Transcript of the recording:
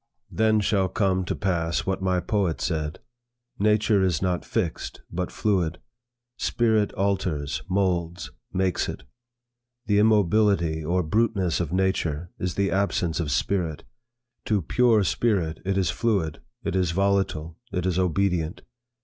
Then shall come to pass what my poet said; 'Nature is not fixed but fluid. Spirit alters, moulds, makes it. The immobility or bruteness of nature, is the absence of spirit; to pure spirit, it is fluid, it is volatile, it is obedient.